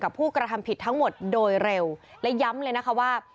ผู้กระทำผิดทั้งหมดโดยเร็วและย้ำเลยนะคะว่า